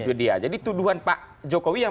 jadi itu dia jadi tuduhan pak jokowi yang